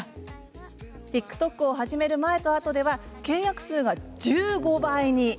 ＴｉｋＴｏｋを始める前と後では契約数１５倍に。